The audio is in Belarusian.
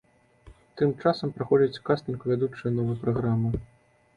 Тым часам праходзіць кастынг у вядучыя новай праграмы.